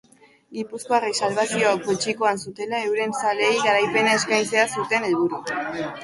Gipuzkoarrek salbazio poltsikoan zutelarik euren zaleei garaipena eskaintzea zuten helburu.